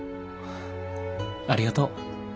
ありがとう。